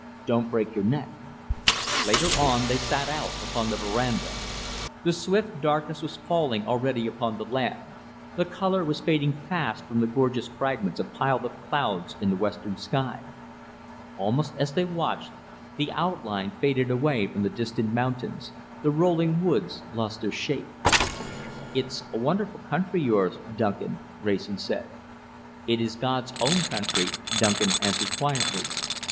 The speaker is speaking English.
Don't break your neck." ... Later on they sat out upon the veranda. The swift darkness was falling already upon the land, the colour was fading fast from the gorgeous fragments of piled up clouds in the western sky. Almost as they watched, the outline faded away from the distant mountains, the rolling woods lost their shape. "It's a wonderful country, yours, Duncan," Wrayson said. "It is God's own country," Duncan answered quietly.